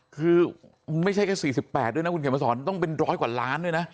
คือไม่ใช่แค่๔๘ด้วยนะคุณเขียนมาสอนต้องเป็นร้อยกว่าล้านด้วยนะ